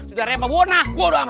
sudaranya pok monah